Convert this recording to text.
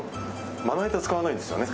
まな板、使わないんですよね。